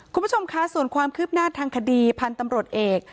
คุณผู้ชมคะส่วนความคืบหน้าทางคดีพันธุ์ตำรวจเอก